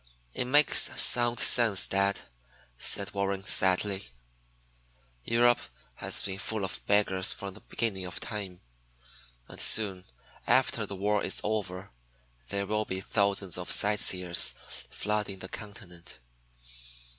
"It makes sound sense, dad," said Warren sadly. "Europe has been full of beggars from the beginning of time. And soon, after the war is over, there will be thousands of sightseers flooding the continent.